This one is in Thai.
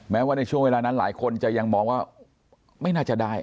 ว่าในช่วงเวลานั้นหลายคนจะยังมองว่าไม่น่าจะได้